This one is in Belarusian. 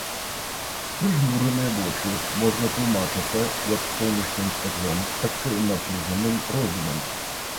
Прыжмураныя вочы можна тлумачацца як сонечным святлом, так і напружаным роздумам.